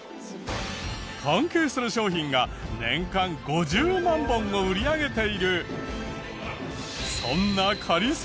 関係する商品が年間５０万本も売り上げている。